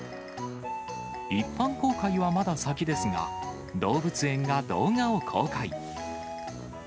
一般公開はまだ先ですが、動物園が動画を公開。